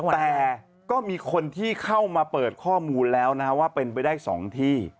แต่ก็มีคนที่เข้ามาเปิดข้อมูลแล้วนะว่าเป็นไปได้๒ที่